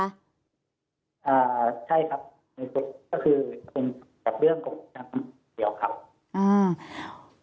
ใช่ครับก็คือเกี่ยวกับเรื่องของการจ้างเด็กครับ